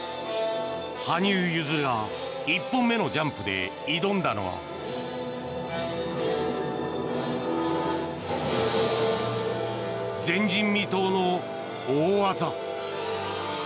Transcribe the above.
羽生結弦が１本目のジャンプで挑んだのは前人未到の大技。